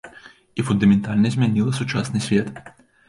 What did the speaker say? І фундаментальна змяніла сучасны свет.